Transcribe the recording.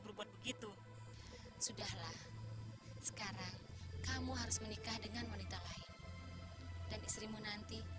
berbuat begitu sudahlah sekarang kamu harus menikah dengan wanita lain dan istrimu nanti